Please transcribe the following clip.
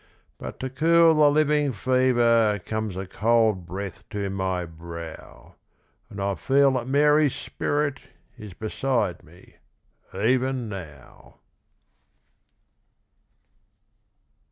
But to cool the living fever, Comes a cold breath to my brow, And I feel that Mary's spirit Is beside me, even now.